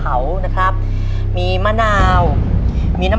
ตัวเลือกที่สี่ชัชวอนโมกศรีครับ